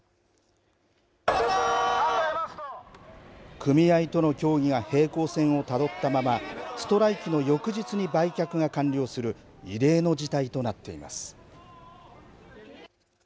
組合との協議が平行線をたどったままストライキの翌日に売却が完了する異例の事態となっています。